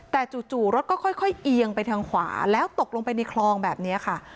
แต่จู่รถก็ค่อยเอียงไปทางขวาแล้วตกลงไปในคลองแบบนี้ค่ะ